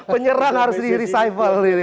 penyerang harus diresuffle